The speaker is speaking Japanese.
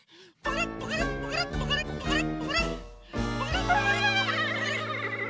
パカラッパカラッパカラッパカラッ。